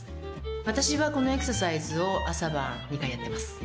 私はこのエクササイズを朝晩２回やってます。